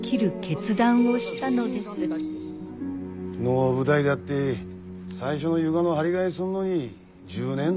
能舞台だって最初の床の張り替えすんのに１０年だろ？